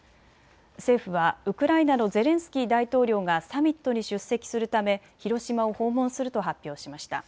政府はウクライナのゼレンスキー大統領がサミットに出席するため広島を訪問すると発表しました。